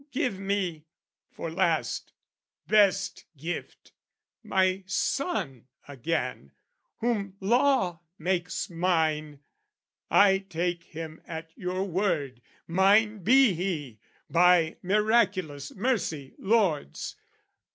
Give me for last, best gift, my son again, Whom law makes mine, I take him at your word, Mine be he, by miraculous mercy, lords!